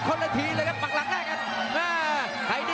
ส่วนคนละ๒๐๒๐เลยละครับปรากฏแรกหน้ากัน